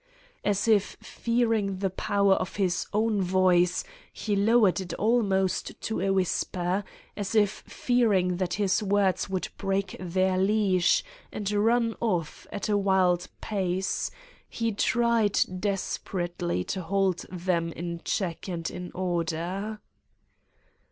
125 Satan's Diary As if fearing the power of his own voice, he low ered it almost to a whisper; as if fearing that his words would break their leash and run off at a wild pace, he tried desperately to hold them in check and in order.